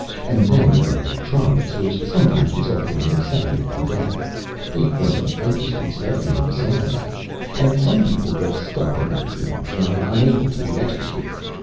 And then there are the traumas, which sometimes result in insanity and death. They form an interesting study in themselves. And some people get stuck in their dreams and are unable to be extricated.